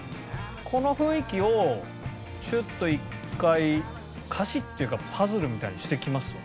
この雰囲気をちょっと一回歌詞っていうかパズルみたいにしてきますわ。